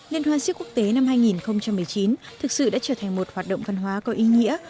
liên hoan siếc quốc tế năm hai nghìn một mươi chín thực sự đã trở thành một hoạt động văn hóa có ý nghĩa